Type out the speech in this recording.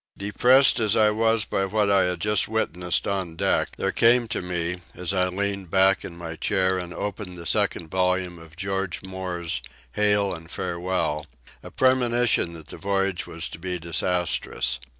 Depressed as I was by what I had just witnessed on deck, there came to me, as I leaned back in my chair and opened the second volume of George Moore's Hail and Farewell, a premonition that the voyage was to be disastrous.